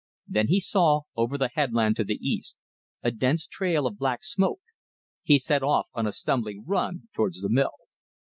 Then he saw, over the headland to the east, a dense trail of black smoke. He set off on a stumbling run towards the mill.